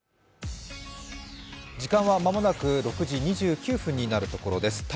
時間は間もなく６時２９分になるところです。